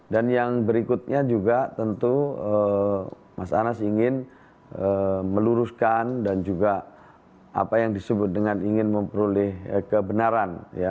dan yang berikutnya juga tentu mas anas ingin meluruskan dan juga apa yang disebut dengan ingin memperoleh kebenaran